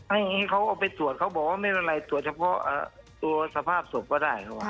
อันนี้เขาเอาไปตรวจเขาบอกว่าไม่เป็นไรตรวจเฉพาะตัวสภาพศพก็ได้